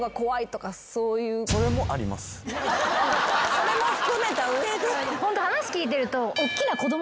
それも含めた上で。